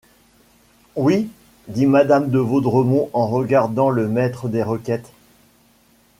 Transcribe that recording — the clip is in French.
Oui, dit madame de Vaudremont en regardant le maître des requêtes.